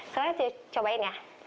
sekarang coba ini ya